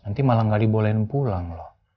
nanti malah gak dibolehin pulang loh